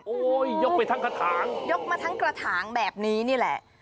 ยกไปทั้งกระถางยกมาทั้งกระถางแบบนี้นี่แหละ